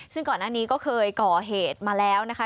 ซึ่งก่อนหน้านี้ก็เคยก่อเหตุมาแล้วนะคะ